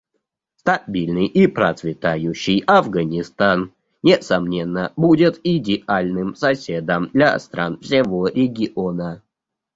Стабильный и процветающий Афганистан, несомненно, будет идеальным соседом для стран всего региона.